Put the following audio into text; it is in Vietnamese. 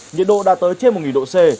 nhiệt độ đã tới trên một nghìn độ c